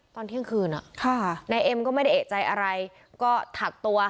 ตอนเที่ยงคืนนายเอ็มก็ไม่ได้เอกใจอะไรก็ถักตัว